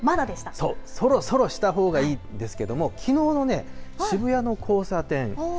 そう、そろそろしたほうがいいんですけども、きのうの渋谷の交差点。